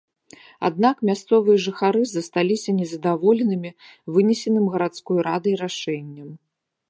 Аднак мясцовыя жыхары засталіся незадаволенымі вынесеным гарадской радай рашэннем.